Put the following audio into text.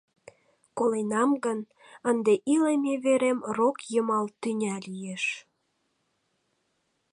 Коленам гын, ынде илыме верем рок йымал тӱня лиеш.